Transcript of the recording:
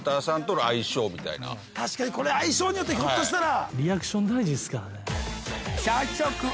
確かにこれ相性によってひょっとしたら。